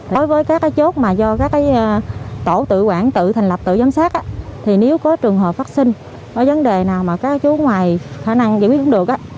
đối với các chốt mà do các tổ tự quản tự thành lập tự giám sát thì nếu có trường hợp phát sinh có vấn đề nào mà các chú ngoài khả năng giải quyết cũng được